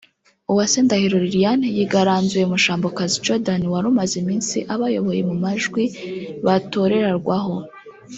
Uwase Ndahiro Liliane yigaranzuye Mushombakazi Jordan wari umaze iminsi abayoboye mu majwi batorerarwaho